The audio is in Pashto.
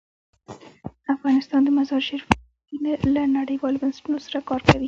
افغانستان د مزارشریف په برخه کې له نړیوالو بنسټونو سره کار کوي.